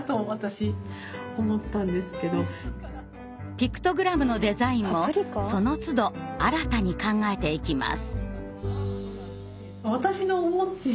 ピクトグラムのデザインもそのつど新たに考えていきます。